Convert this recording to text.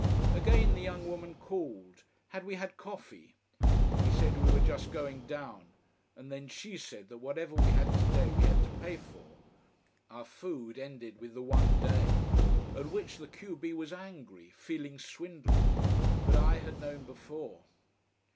Again the young woman called, had we had coffee? We said we were just going down. And then she said that whatever we had today we had to pay for: our food ended with the one day. At which the q b was angry, feeling swindled. But I had known before.